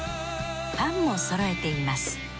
パンも揃えています。